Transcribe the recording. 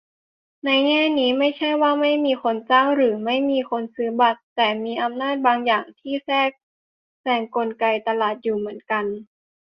ในแง่นี้ ไม่ใช่ว่าไม่มีคนจ้าง หรือไม่มีคนซื้อบัตร แต่มีอำนาจบางอย่างที่แทรกแซงกลไกตลาดอยู่เหมือนกัน